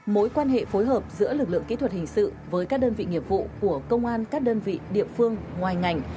mối quan hệ phối hợp giữa lực lượng kỹ thuật hình sự với các đơn vị nghiệp vụ của công an các đơn vị địa phương ngoài ngành